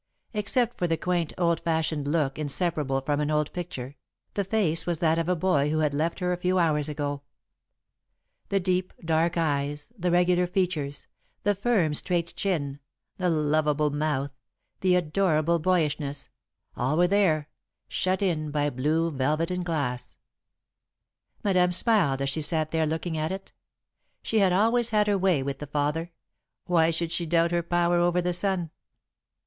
Except for the quaint, old fashioned look inseparable from an old picture, the face was that of the boy who had left her a few hours ago. The deep, dark eyes, the regular features, the firm straight chin, the lovable mouth, the adorable boyishness all were there, shut in by blue velvet and glass. [Sidenote: The Man She Loved] Madame smiled as she sat there looking at it. She had always had her way with the father why should she doubt her power over the son?